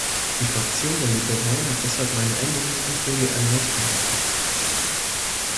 Die Fraktion der Liberalen hat deshalb meine Änderungsanträge erneut eingereicht.